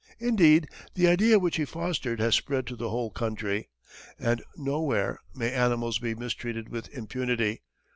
Indeed, the idea which he fostered has spread to the whole country, and nowhere may animals be mistreated with impunity.